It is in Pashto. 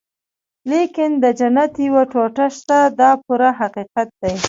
لیکن د جنت یوه ټوټه شته دا پوره حقیقت دی.